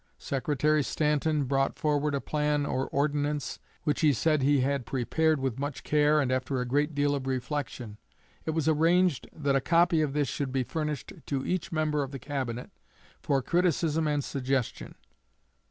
Secretary Stanton brought forward a plan or ordinance which he said he had prepared with much care and after a great deal of reflection. It was arranged that a copy of this should be furnished to each member of the Cabinet, for criticism and suggestion.